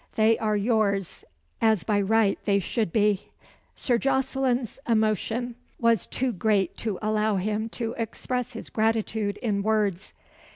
They are yours, as by right they should be." Sir Jocelyn's emotion was too great to allow him to express his gratitude in words.